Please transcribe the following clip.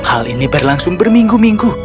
hal ini berlangsung berminggu minggu